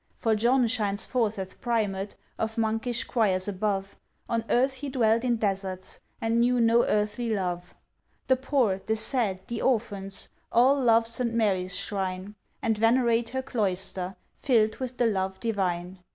For John shines forth as Primate Of Monkish Choirs above, On earth he dwelt in deserts, And knew no earthly love. The poor, the sad, the orphans, All love St. Mary's shrine, And venerate her Cloister, Fill'd with the Love Divine.